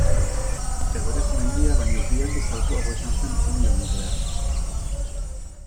Everest mendia baino bi aldiz altuagoa izan zen onddo nuklearra.